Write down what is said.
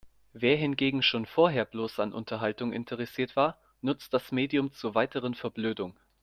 Wer hingegen schon vorher bloß an Unterhaltung interessiert war, nutzt das Medium zur weiteren Verblödung.